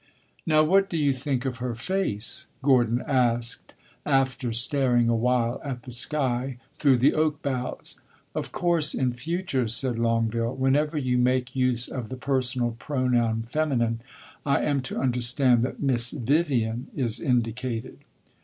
"Now what do you think of her face?" Gordon asked, after staring a while at the sky through the oak boughs. "Of course, in future," said Longueville, "whenever you make use of the personal pronoun feminine, I am to understand that Miss Vivian is indicated."